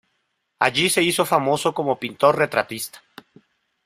Allí se hizo famoso como pintor retratista.